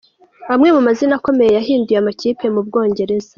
Amwe mu mazina akomeye yahinduye amakipe mu Bwongereza.